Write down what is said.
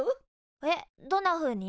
えっどんなふうに？